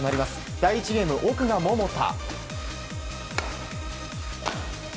第１ゲーム、奥が桃田。